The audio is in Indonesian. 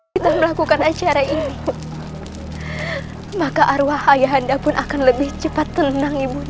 kita melakukan acara ini maka arwah ayah anda pun akan lebih cepat tenang ibunya